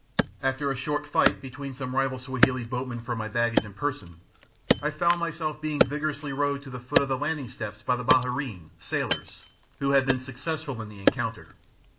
After a short fight between some rival Swahili boatmen for my baggage and person, I found myself being vigorously rowed to the foot of the landing steps by the bahareen (sailors) who had been successful in the encounter.